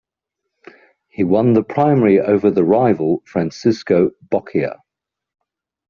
He won the primary over the rival Francesco Boccia.